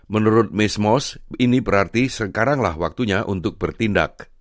menurut miss moss ini berarti sekaranglah waktunya untuk bertindak